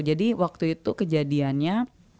jadi waktu itu kejadiannya